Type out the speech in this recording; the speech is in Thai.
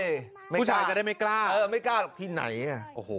ผู้ชายจะได้ไม่กล้าเออไม่กล้าหรอกที่ไหนอ่ะโอ้โห